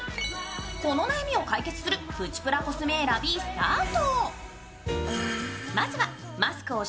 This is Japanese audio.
この悩みを解決するプチプラコスメ選びスタート。